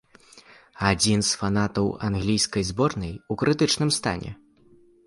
Адзін з фанатаў англійскай зборнай у крытычным стане.